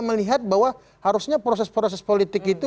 melihat bahwa harusnya proses proses politik itu